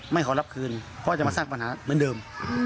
ขอรับคืนเพราะจะมาสร้างปัญหาเหมือนเดิม